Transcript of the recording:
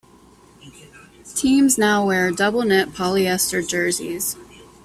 Teams now wear double-knit polyester jerseys.